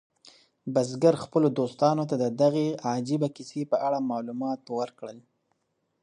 بزګر خپلو دوستانو ته د دې عجیبه کیسې په اړه معلومات ورکړل.